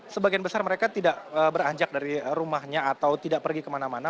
sebagian besar mereka tidak beranjak dari rumahnya atau tidak pergi kemana mana